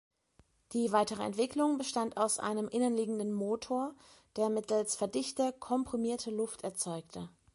Die weitere Entwicklung bestand aus einem innenliegenden Motor, der mittels Verdichter komprimierte Luft erzeugte.